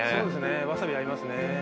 わさび合いますね。